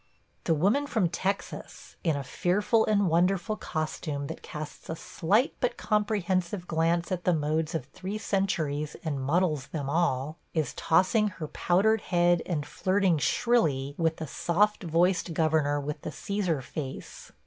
The woman from Texas, in a fearful and wonderful costume, that casts a slight but comprehensive glance at the modes of three centuries and muddles them all, is tossing her powdered head and flirting shrilly with the soft voiced governor with the Cæsar face.